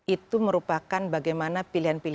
itu merupakan bagaimana pilihan pilihan